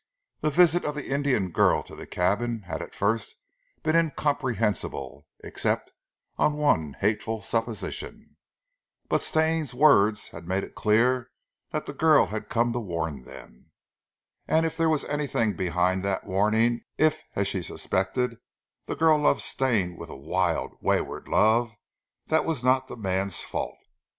That visit of the Indian girl to the cabin had at first been incomprehensible except on one hateful supposition; but Stane's words had made it clear that the girl had come to warn them, and if there was anything behind that warning, if, as she suspected, the girl loved Stane with a wild, wayward love, that was not the man's fault.